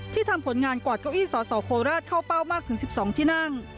ทำผลงานกวาดเก้าอี้สสโคราชเข้าเป้ามากถึง๑๒ที่นั่ง